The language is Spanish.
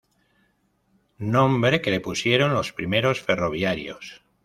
Nombre que le pusieron los primeros ferroviarios.